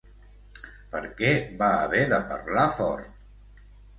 Per què va haver de parlar fort?